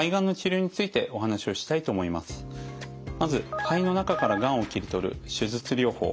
まず肺の中からがんを切り取る手術療法。